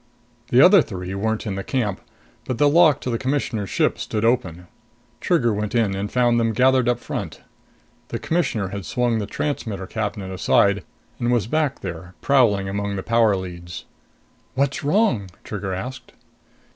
The other three weren't in camp, but the lock to the Commissioner's ship stood open. Trigger went in and found them gathered up front. The Commissioner had swung the transmitter cabinet aside and was back there, prowling among the power leads. "What's wrong?" Trigger asked.